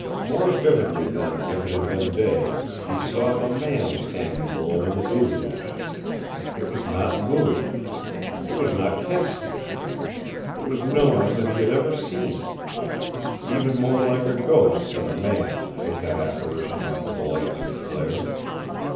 More vividly than if it had been day he saw a man standing below in the deluge. It was not Mooie. It was not Kedsty. It was no one that he had ever seen. Even more like a ghost than a man was that apparition of the lightning flare.